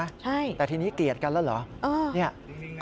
ใช่แต่ทีนี้เกลียดกันแล้วเหรอ